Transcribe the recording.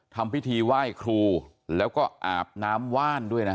ทำพิธีไหว้ครูแล้วก็อาบน้ำว่านด้วยนะฮะ